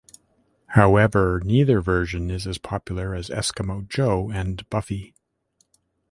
However, neither version is as popular as Eskimo Joe and Buffy.